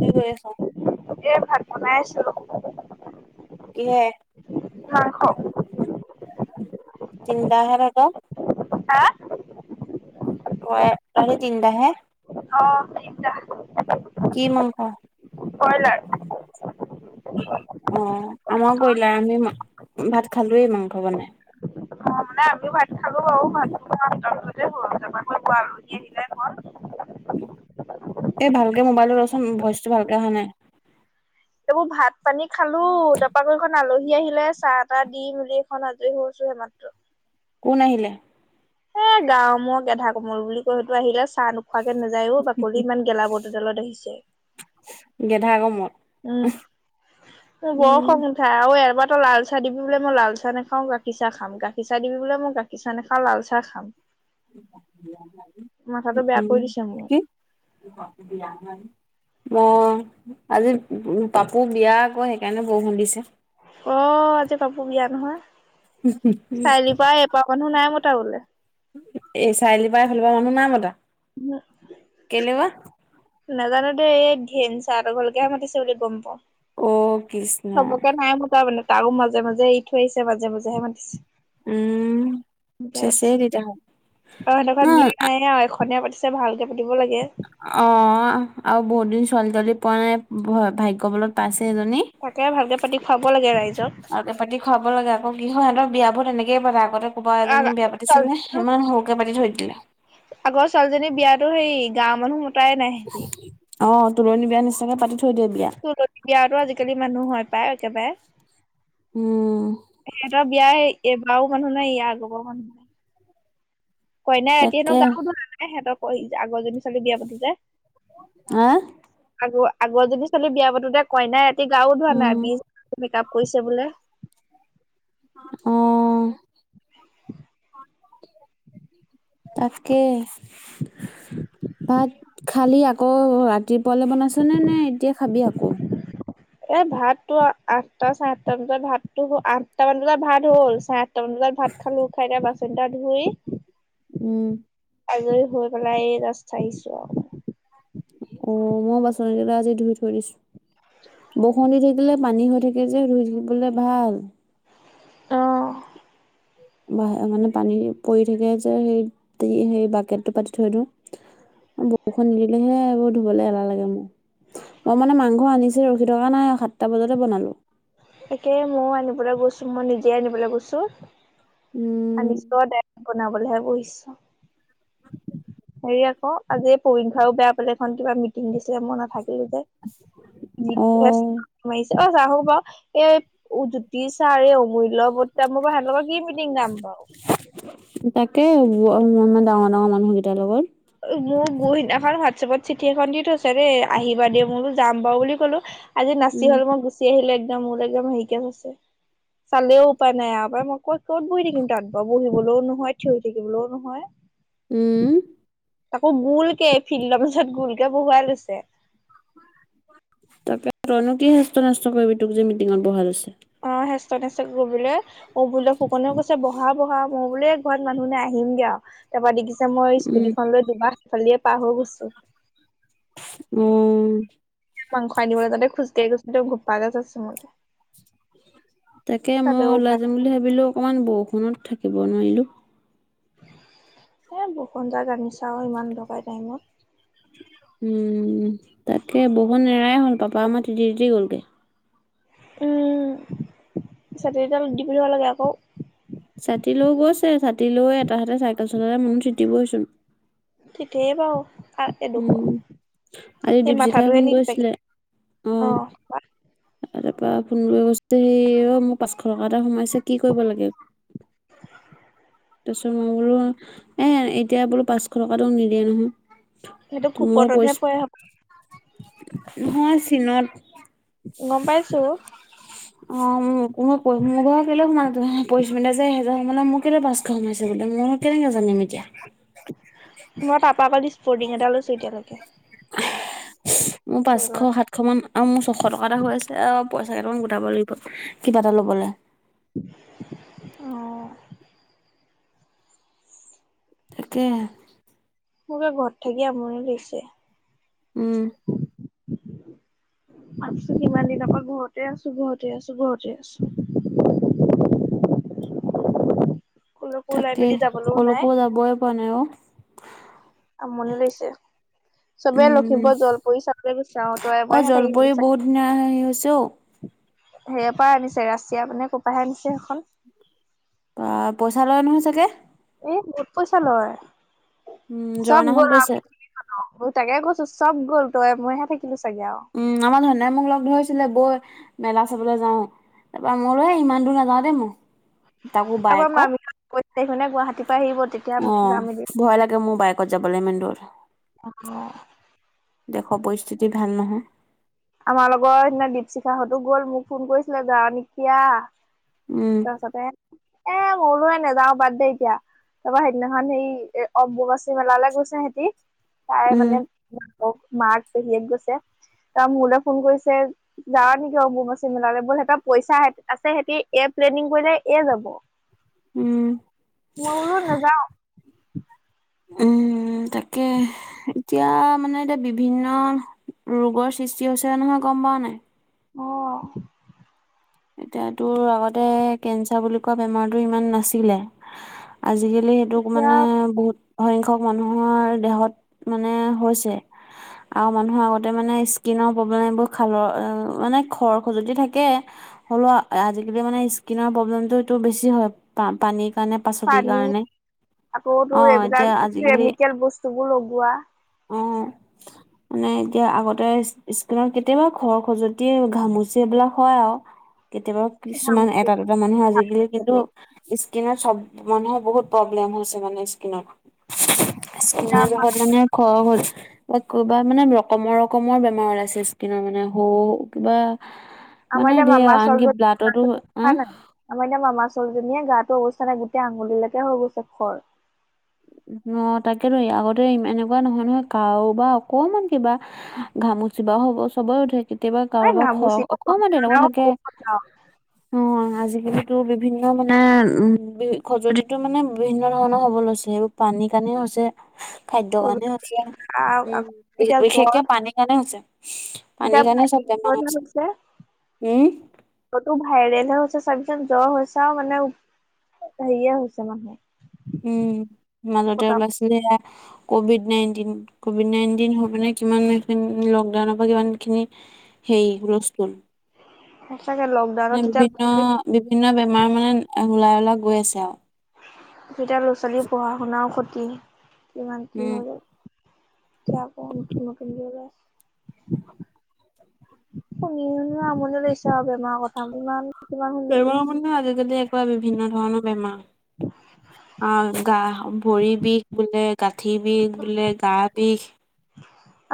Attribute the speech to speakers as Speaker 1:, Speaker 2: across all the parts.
Speaker 1: কি কৰি আছা
Speaker 2: এ ভাত বনাই আছিলো
Speaker 1: কিহে
Speaker 2: মাংস
Speaker 1: চিন্তাধাৰটো
Speaker 2: হা
Speaker 1: কয়ে তহতি তিনিটা হে
Speaker 2: অ তিনতা
Speaker 1: কি মাংস অ আমাৰ কৰিলা আমি ভাত খালোয়েই মাংস বনাই
Speaker 2: অ মানে আমিও ভাত খালো বাৰু ভাত খোৱা আলহী আহিলে ঘৰ
Speaker 1: এ ভালকে মোবাইলতো ল চোন ভইচটো ভালকে অহা নাই
Speaker 2: এইবোৰ ভাত পানী খালো তাৰপা আকৌ এইখন আলহী আহিলে চাহ তাহ দি মেলি এইখন আজৰি হৈছো এইমাত্ৰ
Speaker 1: কোন আহিলে
Speaker 2: এ গাও মোক এধা কমল বুলি কৈ সেইটো আহিলে চাহ খোৱাকে নোযাও বাকলি ইমান গেলাবৰটোডালত আহিছে
Speaker 1: গেধা গমত
Speaker 2: উম উ মোৰ বৰ খঙ উঠে চাই আৰু এবাৰাতো লাল চাহ দিবি বোলে মই লাল চাহ না গাখীৰ চাহ খাম গাখীৰ চাহ দিবি বোলে মই গাখ গাখীৰ চাহ নাখাওঁ লাল চাহ খাম মাথাটো বেয়া কৰি
Speaker 1: উম
Speaker 2: দিছে মোৰ
Speaker 1: কি ম আজি পাপু বিয়া আকৌ সেইকাৰণে বৰষুণ দিছে
Speaker 2: অ আজি পাপুৰ বিয়া নহয় চাৰিআলিৰ পৰা এপাৰ মানুহ নাই মতা বোলে
Speaker 1: এই চাৰিআলি পৰা এই পাৰ মানুহ নাই মতা কেইলেবা
Speaker 2: নাজানো দে এই ধেন চাৰ ঘৰলৈকেহে মাতিছে বুলি গম পাওঁ
Speaker 1: অ' কৃষ্
Speaker 2: চবকে নাই মতা বোলে তাৰো মাজে মাজে এৰি থৈ আহছে মাজে মাজেহে মাতিছে
Speaker 1: উম,
Speaker 2: বিয়া পাতিছে
Speaker 1: চেচেই তেতিয়াহ'লে।
Speaker 2: সিহতৰ ঘৰত
Speaker 1: ন
Speaker 2: বিয়া নাই আৰু এখনেই পাতিছে ভালকে পাতিব লাগে
Speaker 1: অ আৰু বহুত দিন ছোৱালী তোৱালী পোৱা নাই ভাগ্যবলত পাইছে এজনী
Speaker 2: তাকে ভালকে পাতি খুৱাব লাগে ৰাইজক
Speaker 1: আৰু এ পাতি খুৱাব লাগে আক কিহৰ সিহতৰ বিয়াবোৰ তেনেকে পাতে আগতে ক'ৰবা এজনী বিয়া পাতিছিলে ইমান সৰুকে পাতি থৈ দিলে
Speaker 2: আগৰ ছোৱালীজনীৰ বিয়াতো হেৰি গাঁৱৰ মানুহ মতাই নাই সিহঁতি।
Speaker 1: অ তুলণী বিয়া নিচাকে পাতি থৈ দিয়ে বিয়া
Speaker 2: তুলনি বিয়াতো আজিকালি মানুহ হয় প্ৰায় একেবাৰে
Speaker 1: উম
Speaker 2: সিহঁতৰ বিয়া এইবাৰও মানুহ নাই ইয়াৰ আগৰ বাৰু মানুহ নাই কইনা ৰাতি চাগে
Speaker 1: তাকে
Speaker 2: গাও ধুৱা নাই সিহঁতৰ আগৰজনী ছোৱালী বিয়া পাতো
Speaker 1: হা
Speaker 2: আ আগৰজনী ছোৱালি বিয়া পাতোতে কইনাই ৰাতি গাও ধোৱা
Speaker 1: উম
Speaker 2: নাই বিছ মেকআপ কৈছে বোলে
Speaker 1: অঁ তাকে ভাত খালি আকৌ ৰাতিপুৱালৈ বনাইছনে নে এতিয়া খাবি আকৌ
Speaker 2: এ ভাতো আঠটা চাৰে আঠটা বজাত ভাতো আঠটামান বজাত ভাত হ'ল চাৰে আঠমান বজাত ভাত খালো খাই এতিয়া বাচন কেইটা ধুই
Speaker 1: উম
Speaker 2: আজৰি হৈ পেলাই এই জাষ্ট চাইচো আও
Speaker 1: অ মইও বাচন কেইটা আজি ধুই থৈ দিছো বৰষুণ দি থাকিলে পানী হৈ থাকে যে ৰুই থাকিবলৈ ভাল
Speaker 2: অঁ
Speaker 1: মানে পানী পৰি থাকে যে সেই সেই বাকেটটো পাতি থৈ দিওঁ বৰষুণ নিদিলে হে এইবোৰ ধুবলৈ এলাহ লাগে মোৰ মই মানে মাংস আনিচুয়ে ৰখি থকা নাই সাতটা বজাতে বনালো
Speaker 2: তাকে ময়ো আনিবলৈ গৈছোঁ মই নিজে আনিবলৈ গৈছোঁ
Speaker 1: উম
Speaker 2: আনিছো দাৰেক্ত বনাবলৈহে বহিছো
Speaker 1: [unintelligible]
Speaker 2: হেৰি আকৌ আজি পৰি খাও বেয়া পালে এখন কিবা মিটিং দিছিলে মই নাথাকিলো যে [inaudible]
Speaker 1: অ
Speaker 2: ছে ব আহো ব এই জ্যোতি ছাৰ এই অমূল্য বটাম মোৰ পৰা সেহনৰ লগত কি মিটিং যাম। বাৰু
Speaker 1: তাকে [inaudible] ইমান ইমান ডাঙৰ ডাঙৰ মানুহকেইটাৰ লগত।
Speaker 2: মোৰ গু সিদিনাখন হোৱাটছএপত চিঠি এখন দি থৈছে ৰে, আহিবা দে মই বুলোঁ যাম বাৰু বুলি ক'লো আজি
Speaker 1: উম
Speaker 2: নাচি হল মই গুচি আহিলো একদম মোৰ একদম হেৰিকে আছে।
Speaker 1: [unintelligible]
Speaker 2: চালেও উপায় নাই আৰু উপায় মই ক'ত ক'ত বহি থাকিম তাত ব বহিবলৈও নহয় থিয় হৈ থাকিবলৈও নহয়।
Speaker 1: উম।
Speaker 2: আকৌ গোলকে ফিল্ডৰ মাজত গোলকে বহুৱাই লৈছে।
Speaker 1: তাৰপিছত তোৰনো কি শাস্ত নষ্ট কৰিবি তোক যে মিটিঙত বহাই লৈছে।
Speaker 2: অ হেষ্ট - নেষ্ট কৰিবলে, অ বোলে ফুকনেও কৈছে বহা - বহা মই বোলে ঘৰত মানুহ নে আহিমগে আৰু তাৰ পৰা দেখিছে মই
Speaker 1: উম
Speaker 2: স্কুটিখন লৈ দুমাহ সিফালিয়ে পাৰ হৈ গৈছো।
Speaker 1: উম।
Speaker 2: মাংস আনিবলৈ যাতে খোজকাঢ়ি গৈছো তেওঁগোপা গছ আছে মোলে।
Speaker 1: তাকে মই
Speaker 2: চালেও
Speaker 1: ওলাই
Speaker 2: পাই
Speaker 1: যাম বুলি ভাবিলো অকনমান বৰষুনত থাকিব নোৱাৰিলো।
Speaker 2: এ বৰষূণজাক জানিছাও ইমান দকাই টাইমত।
Speaker 1: উম তাকে বৰষূণ নেৰায় হ'ল পাপা আমাৰ তিতি - তিতি গ'লগে।
Speaker 2: উম, ছাতি এডাল দি পিব লাগে আকৌ।
Speaker 1: ছাতি লৈ গৈছে, ছাতি লৈ এটা হাতে চাইকেল চলালে মনো তিতিবচোন।
Speaker 2: ঠিকেই বাৰু। তা এ দুশ,
Speaker 1: উম আজি
Speaker 2: সেই
Speaker 1: দীপশিখাই
Speaker 2: মাথাটোয়ে
Speaker 1: ফোন
Speaker 2: নিকে
Speaker 1: কৰিছিলে
Speaker 2: [inaudible] অ।
Speaker 1: তাৰপৰা পোন্ধৰ আগষ্ট হে অ মোক পাঁচশ টকা এটা সোমাইছে, কি কৰিব লাগে? তাৰপিছত মই বোলো, এ এতিয়া বোলো পাঁচশ টকাটো নিদিয়ে নহয়।
Speaker 2: সেইটো
Speaker 1: তোমাৰ
Speaker 2: কুপনতহে পৰে হপাই
Speaker 1: পছ, নহয় চীনত
Speaker 2: গম পাইছো।
Speaker 1: হয় [inaudible] অঁ মো মই প মোৰ ঘৰ কেলে সোমালো তুম পৰিস্মিতাৰ যে এহেজাৰ সোমালে, মোক কেলে পাঁচশ সোমাইছে বোলে মই কেনেকা জানিম এতিয়া?
Speaker 2: মই পাপাক কালি স্পৰ্টিং এটা লৈছো এতিয়ালৈকে।
Speaker 1: মোৰ পাঁচশ
Speaker 2: কৰোৱা নাই
Speaker 1: সাতশমান আৰু মোৰ ছশ টকা এটা হৈ আছে, আ পইচা কেইটামান গোটাব লাগিব কিবা এটা লবলে।
Speaker 2: অ।
Speaker 1: তাকে।
Speaker 2: মোৰ এ ঘৰত থাকি আমনি লাগিছে।
Speaker 1: উম।
Speaker 2: আছো কিমান দিনৰ পৰা ঘৰতে আছো ঘৰতে আছো ঘৰতে আছো। কুলকো ওলাই
Speaker 1: তাকে
Speaker 2: মেলি যাবলৈও নাই,
Speaker 1: কলৈকো যাবই পৰা নাই অ',
Speaker 2: আমনি লৈছে। চবে
Speaker 1: উম,
Speaker 2: লখিমপুৰ জলপৰি চাবলৈ বিচাৰো, তই মইহে থাকিব বিচাৰো।
Speaker 1: নাই হাঁহি আছে অ।
Speaker 2: সেইয়াৰ পৰাই আনিছে ৰাছিয়া মানে ক'ৰপাহে আনিছে সেইখন?
Speaker 1: পা পইচা লয় নহয় চাগে?
Speaker 2: এই বহুত পইচা লয়,
Speaker 1: উম,
Speaker 2: চব
Speaker 1: জৰ্ণাহত
Speaker 2: গ'ল
Speaker 1: গৈছে।
Speaker 2: [inaudible] অ তাকে কৈছো, চব গ'ল তই মইহে থাকিলো চাগে আৰু।
Speaker 1: উম, আমাৰ ধণে মোক লগ ধৰিছিলে বৈ মেলা চাবলৈ যাওঁ? তাপা মইবোলো ইমান দূৰ নাযাওঁ দেই মোক তামো
Speaker 2: তাৰপৰা
Speaker 1: বাইক
Speaker 2: মামী কৈছে সেইখনে গুৱাহাটীৰ পৰা আহিব তেতিয়া
Speaker 1: অঁ,
Speaker 2: যাম মেলি
Speaker 1: ভয় লাগে মোৰ বাইক কত যাবলে ইমান দূৰ।
Speaker 2: অঁ।
Speaker 1: দেশ পৰিস্থিতি ভাল নহয়।
Speaker 2: আমাৰ লগৰ সিদিনা দীপশিখাহঁতো গ'ল মোক ফোন কৰিছিলে যা নিকি আ।
Speaker 1: উম,
Speaker 2: তাৰপাছতে এ মোৰোহে নাযাও বাদ দে এতিয়া। তাৰপৰা সেইদিনাখন সেই এ অম্বুবাচী মেলালে গৈছে সেহতি তাই
Speaker 1: উম,
Speaker 2: মানে মাক মাক পেহীয়েক গৈছে। তাৰ মোৰলৈ ফোন কৰিছে যাৱা নেকি অম্বুবাচি মেলালে? বল সেহতৰ পইচা আছে সিহতি এই প্লেনিং কৰিলে এ যাব
Speaker 1: উম।
Speaker 2: মই বলো নেযাওঁ।
Speaker 1: উম তাকে। এতিয়া মানে এতিয়া, বিভিন্ন ৰোগৰ সৃষ্টি হৈছে নহয় গম পাৱ নাই?
Speaker 2: অঁ।
Speaker 1: এতিয়া তোৰ আগতে কেঞ্চাৰ বুলি কোৱা বেমাৰতো ইমান নাছিলে, আজিকালি তোক
Speaker 2: এতিয়া
Speaker 1: মানে বহুত সংখ্যক মানুহৰ দেহত মানে হৈছে। আৰু মানুহৰ আগতে মানে স্কিনৰ প্ৰব্লেম এইবোৰ খালৰ এ মানে খৰ খুজতি থাকে। হ'লও আজিকালি মানে স্কিনৰ প্ৰব্লেমটো এইটো বেছি হয় পা -পানীত।
Speaker 2: পানী আকৌ তোৰ
Speaker 1: অ' এতিয়া
Speaker 2: এইবিলাক কেমিকেল বস্তু বোৰ লগোৱা।
Speaker 1: অঁ। মানে এতিয়া আগতে স্কীনৰ কেতিয়াবা খৰ খজুৱতি ঘামুচি এইবিলাক হয় আও। কেতিয়াবা কিছুমান এটা,
Speaker 2: সেইটো
Speaker 1: দুটা মানুহে আজিকালি কিন্তু
Speaker 2: এতিয়া
Speaker 1: স্কীনত চব মানুহৰ বহুত প্ৰব্লেম হৈছে মানে স্কীনত। স্কিনৰ এইটো
Speaker 2: আমাৰ
Speaker 1: মানে খৰ হল। কিবা মানে ৰকমৰ ৰকমৰ বেমাৰ ওলাইছে স্কিনৰ মানে সৌ কিবা।
Speaker 2: আমাৰ
Speaker 1: মানে
Speaker 2: এতিয়া
Speaker 1: ধেৰ আও
Speaker 2: মামাৰ
Speaker 1: আনকি
Speaker 2: ছোৱালীজনী নাই
Speaker 1: ব্লাডতো হ
Speaker 2: আমাৰ এতিয়া মামা ছোৱালীজনীয়ে গাতো অৱস্থা নাই, গোটেই আঙুলিলেকে হৈ গৈছে খৰ।
Speaker 1: আঁ, তাকেতো আগতে এনেকুৱা নহয় নহয়। কাৰোবা অকমাণ কিবা ঘাঁমুচি বাও হব চবৰে উঠে। কেতিয়াবা
Speaker 2: এই
Speaker 1: কাৰোবাৰ খৰ
Speaker 2: ঘামুচিটো গৰম
Speaker 1: অকমাণ তেনেকুৱা
Speaker 2: আৰু
Speaker 1: থাকে।
Speaker 2: সৰু খজুৱৰা
Speaker 1: অঁ আজিকালিতো বিভিন্ন মানে উম উ খজতিটো মানে বিভিন্ন ধৰণৰ হব লৈছে, এইবোৰ পানী কাৰণে হৈছে। খাদ্য কাৰণে হৈছে। উম
Speaker 2: আকৌ
Speaker 1: বি
Speaker 2: এতিয়া জ্বৰ
Speaker 1: বিশেষকে পানীৰ কাৰণে হৈছে।
Speaker 2: এতিয়া
Speaker 1: পানীৰ কাৰণে চব
Speaker 2: ভাইৰেল
Speaker 1: বেমাৰ
Speaker 2: জ্বৰহে
Speaker 1: হৈছে। উম
Speaker 2: কতো ভাইৰেল হৈছে চাবিচোন জ্বৰ হৈছে মানে সেইয়ে হৈছে মানুহ।
Speaker 1: উম মাজতে
Speaker 2: পতাপ।
Speaker 1: ওলাইছিলে এ কভিড নাইনটিন। কভিড নাইনটিন হৈ পিনে কিমান লকডাউনৰ পৰা কিমানখিনি সেই হুলস্থূল।
Speaker 2: সঁচাগে লক
Speaker 1: বিভিন্ন বিভিন্ন বেমাৰ মানে ওলাই ওলাই গৈ আছে আও।
Speaker 2: তেতিয়া ল'ৰা ছোৱালীৰ পঢ়া শুনাও ক্ষতি কিমান কি
Speaker 1: উম,
Speaker 2: হৈ গ'ল। এতিয়া আকৌ নতুন নতুন ওলাইছে। শুনি শুনি আমানি লাগিছে আও বেমাৰৰ কথা ইমান কিমান
Speaker 1: বেমাৰৰ
Speaker 2: শুনিবি
Speaker 1: কথা [unintelligible] মানে আজিকালি একে বিভিন্ন ধৰণৰ বেমা অঁ গা ভৰি বিষ বোলে গাঁঠি বিষ বোলে গা বিষ।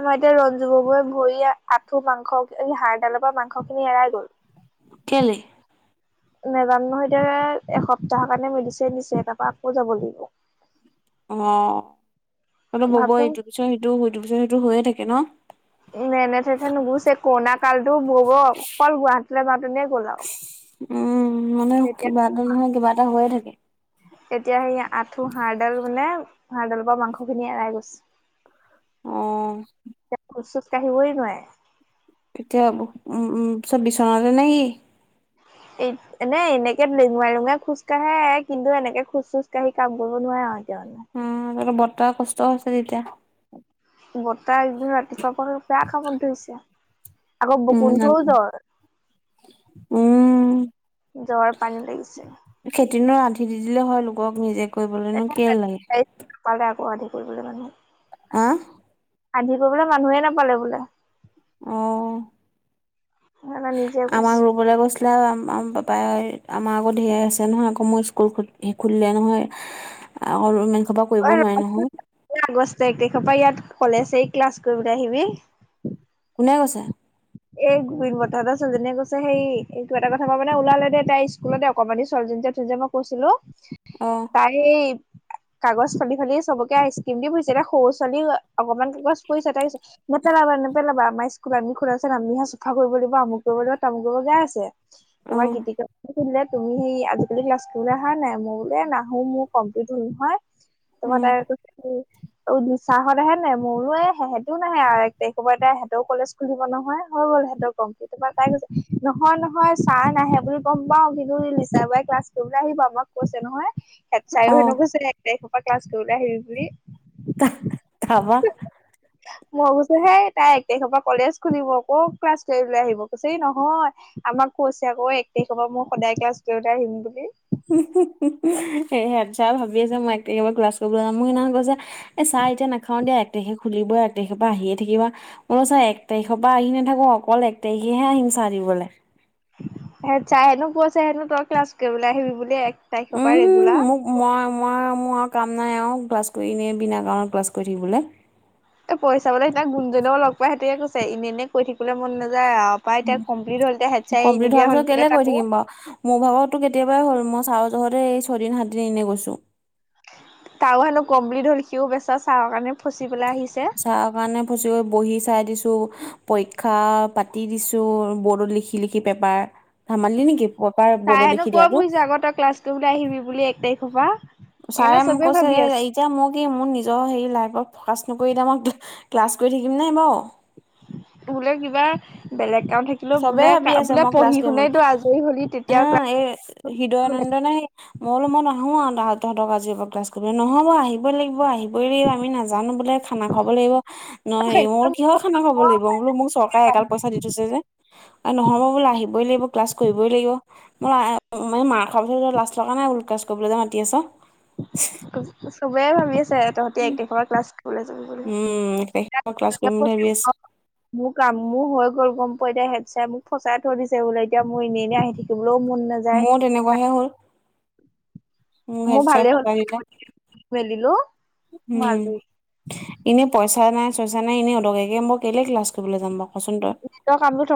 Speaker 2: আমাৰ এতিয়া ৰঞ্জু ববৌৰ ভৰি আঁঠু মাংস হাড়ডালৰ পৰা মাংস খিনি এৰাই গ'ল।
Speaker 1: কেলে
Speaker 2: নেজানো নহয় এটিয়া এসপ্তাহৰ কাৰণে মেডিচিন দিছে, তাৰ পৰা আকৌ যাব লাগিব।
Speaker 1: অ' তহঁতৰ ববৌৰ
Speaker 2: ভাবচোন
Speaker 1: ইটো পিছত সিটো সেইটো পিছত সেইটো হৈয়ে থাকে ন?
Speaker 2: নেনেচেছে নুগুজছে কৰণা কালতো ববৌৰ অকল গুৱাহাটীলৈ যাওঁতেনেই গ'ল আৰু।
Speaker 1: উম মানে
Speaker 2: তেতিয়া
Speaker 1: কিবা এটা নহয় কিবা এটা হৈয়ে থাকে।
Speaker 2: এতিয়া সেই আঁঠু হাড়ডাল মানে হাড়ডালৰ পৰা মাংস খিনি এৰাই গৈছে।
Speaker 1: অ',
Speaker 2: এতিয়া খোজ চোজ কাঢ়িবই নোৱাৰে।
Speaker 1: এতিয়া উম উম পিচে বিচনাতে নেকি?
Speaker 2: এই এনে এনেকে লেঙৰা লেঙৰা খোজ কঢ়ে কিন্তু এনেকে খোজ চোজ কাঢ়ি কাম কৰিব নোৱাৰে আৰু এতিয়া মানে।
Speaker 1: উম, তহঁতৰ বৰ্তাৰ কষ্ট হৈছে তেতিয়া?
Speaker 2: বৰ্তা এইকেইদিন ৰাতিপুৱা পৰা পোৰা কামত ধৰিছে, আকৌ বকুন্ঠও
Speaker 1: উম,
Speaker 2: জ্বৰ।
Speaker 1: উম,
Speaker 2: জ্বৰ পানী লাগিছে।
Speaker 1: খেতি নো আন্ধি দি দিলে হয় লোকক নিজে কৰিবলৈনো কেলে লাগে।
Speaker 2: পালে আকৌ আধি কৰিবলৈ মানুহ?
Speaker 1: হা?
Speaker 2: আন্ধি কৰিবলৈ মানুহে নাপালে বোলে।
Speaker 1: অঁ
Speaker 2: সেইকাৰণে নিজে
Speaker 1: আমাক
Speaker 2: কৰিছে।
Speaker 1: ৰুবলৈ কৈছি লে আমা পাপাই আমাৰ আকৌ ধেৰ আছে নহয় আকৌ মই স্কুল খুলিলে নহয়। আকৌ ইমান হোপা কৰিব নোৱাৰে নহয়।
Speaker 2: এই আগষ্ট এক তাৰিখৰ পৰা ইয়াত কলেজ হেৰি ক্লাছ কৰিবলৈ আহিবি?
Speaker 1: কোনে কৈছে?
Speaker 2: এই গোবিন্দ বৰ্তা হতৰ ছালজনীয়ে কৈছে হেই এই কিবা এটা কথা মানে ওলালে দেই তাই স্কুলতে অকণমানি ছোৱালীজনী তোক যে মই কৈছিলো
Speaker 1: অঁ।
Speaker 2: তাই সেই কাগজ ফালি ফালি চবকে আইচক্ৰীম দি ফুৰিছে এতিয়া সৰু ছোৱালী অকনমান বদমাচ কৰিছে তাৰপিছত নেপেলাবা নেপেলাবা আমাৰ স্কুল আমি তাৰপিছত আমিহে চফা কৰিব লাগিব আমুক কৰিব লাগিব তামুক কৰিব গাই আছে
Speaker 1: অ
Speaker 2: তাৰপাছত গীতি মণি তুমি সেই আজিকালি ক্লাছ বোলে আহা নাই? মই বোলে নাহো মোৰ কমপ্লট হ'ল নহয়। তাৰপৰা
Speaker 1: উম
Speaker 2: তাই কৈছে কি অ' নিশাহত আহে নাই মই বোলো এই সিহঁতিও নাহে আৰু, এক তাৰিখৰ পৰা সিহঁতৰো কলেজ খুলিব ন
Speaker 1: [inaudible]
Speaker 2: সিহঁতি গম পাই গৈছে, নহয় নহয় ছাৰ নাহে বুলি গম পাওঁ কিন্তু নিশা বাই ক্লাছ কৰিবলৈ আহিব আমাক কৈছে নহয়, হেড চাৰেও
Speaker 1: অ
Speaker 2: হেনেকে কৈছে, এক তাৰিখৰ পৰা ক্লাছ কৰিবলৈ আহিবি বুলি।
Speaker 1: তাৰপৰা?
Speaker 2: মই কৈছোঁ হেই তাই এক তাৰিখৰ পৰা কলেজ খুলিব ক' ক্লাছ কৰিবলৈ আহিব, কৈছে এ নহয় আমাক কৈছে আকৌ এক তাৰিখৰ পৰা মই সদায় ক্লাছ কৰিবলৈ আহিম বুলি।
Speaker 1: হেড চাৰে ভাবি আছে মই এক তাৰিখৰ পৰা ক্লাছ কৰিবলৈ যাম, মোক সেইদিনাখন কৈছে এ চাহ এতিয়া নাখাও দে এক তাৰিখে খুলিবই এক তাৰিখে পৰা আহিয়ে থাকিবা উম চাৰ এক তাৰিখৰ পৰা আহি নাথাকো অকল এক তাৰিখেহে আহিম চাহ দিবলৈ
Speaker 2: হেড চাৰে হেনো কৈছে হেনো তই ক্লাছ কৰিবলৈ আহিবি বুলি এক তাৰিখৰ পৰা
Speaker 1: উম
Speaker 2: ৰেগুলাৰ।
Speaker 1: মোক মই মই মোৰ আৰু কাম নাই আৰু ক্লাছ কৰিনে বিনা কাৰণত ক্লাছ কৰি থাকিবলৈ।
Speaker 2: এ পইচাবলে সেইতিয়া গোণজনও লগ পায় সেতিয়ে কৈছে এনেইনেই কৈ থাকিবলৈ মন নাযায়। আৰু কৰাই এতিয়া কমপ্লট হল হেচাই এ নি দিয় হ'ল বোলে তাকো।
Speaker 1: বা মোৰ ভাগতো কেতিয়াবাই হ'ল মই ছাৰ ঘৰহেতৰ এই ছয়দিন সাতদিন এনেই গৈছোঁ।
Speaker 2: তাৰ হেনো কমপ্লি হল সিও বেচা চাহৰ কাৰণে ফচি পেলাই আহিছে।
Speaker 1: চাহ কাৰণে ফচি গৈ বহি চাই দিছো পৰীক্ষা পাতি দিছো বৰ্ডত লিখি লিখি। কি পেপাৰ ধামালি নেকি পেপাৰ বৰ্ডো লিখি দিয়াাতটো।
Speaker 2: আগত ক্লাছ, তোক লৈয় আহিবি বুলি এক তাৰিখৰ পৰা। সেইকাৰণে
Speaker 1: চাৰে মোক
Speaker 2: চবে
Speaker 1: কৈছে
Speaker 2: ভাবি
Speaker 1: হেৰি
Speaker 2: আছে
Speaker 1: এতিয়া মোক কি মোৰ নিজৰ হেৰি লাইফত ফ'কাচ নকৰি এতিয়া মই ক্লাছ কৰি থাকিম নাই। বাৰু
Speaker 2: বোলে কিবা বেলেগ কাম থাকিব। বোলো
Speaker 1: চবে
Speaker 2: বোলে
Speaker 1: ভাবি আছে
Speaker 2: বোলে
Speaker 1: মই ক্লাছ
Speaker 2: পঢ়ি
Speaker 1: কৰিম বুলি।
Speaker 2: শুনেতো আজৰি হ'লি তেতিয়া ক-
Speaker 1: মানে সে মই অলো মইতো আৰুহ টকা আজি ক্লছ কৰিবি নহ'ব আহিম ল আহিবই লাগিব আমি নাজানো বোলে খানা খাব লাগিব। ন মোৰ কিহৰ খানা খাব লাগিব বোলো মোক চৰকাৰে এ একাল পইচা দি থৈছে। যে নহ'ব বোললে আহিবই লাগিব ক্লাছ কৰিবই লাগিব। মই মানে মাৰ খাৰ পিছত লাষ্ট লগা নাই উলকাছ কৰিবলৈ যে মাতি আছ।
Speaker 2: চবে ভাবি আছে তহঁতি এক খৰ পৰা ক্লাছ, কলেজ আহিব
Speaker 1: উম, এক তাৰিখৰ পৰা ক্লাছ
Speaker 2: লাগিব
Speaker 1: কৰিম বুলি ভাবি আছো।
Speaker 2: [unintelligible] মোৰ কাম মোৰ হৈ গ'ল গম পাই এতিয়া হেপচাই মোক ফচাই থৈ দিছে বোলে এতিয়া মোৰ এনেই এই আহি থাকিবলৈও মন নাযায়।
Speaker 1: মোৰ তেনেকুৱাহে হ'ল। মোক হেড
Speaker 2: মোৰ ভালেই হ'ল
Speaker 1: বচাই দিলে
Speaker 2: মেলিলো মই
Speaker 1: উম
Speaker 2: আজৰি
Speaker 1: এনেই পইচা নাই চইচা নাই এনেই উলক একে মই কেলে ক্লাছ কৰিবলৈ যাম কচোন তই।
Speaker 2: কামটো থকা